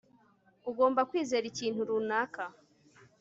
Ugomba kwizera ikintu runaka